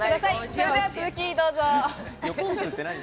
それでは続き、どうぞ。